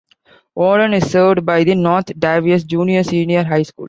Odon is served by the North Daviess Junior-Senior High School.